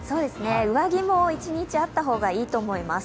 上着も一日あった方がいいと思います。